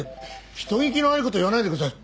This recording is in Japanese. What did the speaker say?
人聞きの悪い事言わないでください。